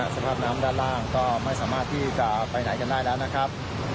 สภาพน้ำด้านล่างก็ไม่สามารถที่จะไปไหนกันได้แล้วนะครับ